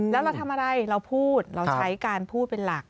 แล้วเราทำอะไรเราพูดเราใช้การพูดเป็นหลัก